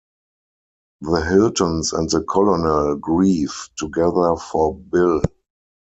The Hiltons and the Colonel grieve together for Bill.